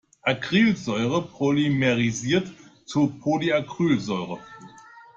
Acrylsäure polymerisiert zu Polyacrylsäure.